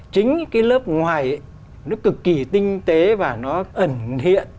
chính cái lớp ngoài nó cực kỳ tinh tế và nó ẩn hiện